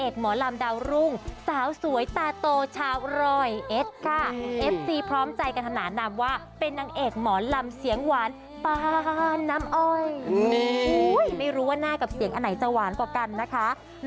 คุณผู้ชมไปต่อกันเลยดีกว่านะคะ